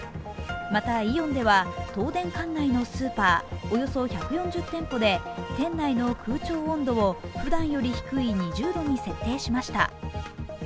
また、イオンでは東電管内のスーパー、およそ１４０店舗で店内の空調温度をふだんより低い２０度に設定しました。